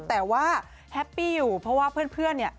แต่ว่าแฮปปี้อยู่เพราะว่าเพื่อนเนี่ย